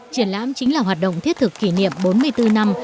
triển lãm chính là hoạt động thiết thực kỷ niệm bốn mươi bốn năm